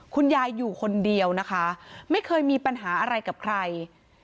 คุณยายอยู่คนเดียวนะคะไม่เคยมีปัญหาอะไรกับใคร